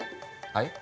はい？